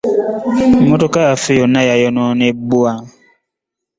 Emmotoka yaffe yonna yayonoonebwa.